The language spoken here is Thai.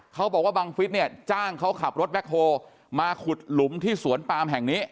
เขาบอกว่าบังฟิศเนี่ยจ้างเขาขับรถแบ็คโฮมาขุดหลุมที่สวนปามแห่งนี้